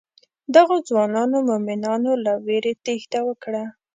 دغو ځوانو مومنانو له وېرې تېښته وکړه.